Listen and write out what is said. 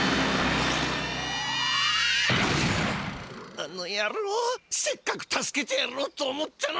あのやろうせっかく助けてやろうと思ったのに。